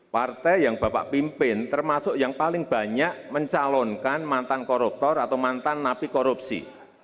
partai yang bapak pimpin termasuk yang paling banyak mencalonkan mantan koruptor atau mantan napi korupsi